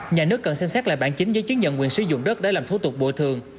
nhà nước cần xem xét lại bản chính giấy chứng nhận quyền sử dụng đất để làm thủ tục bồi thường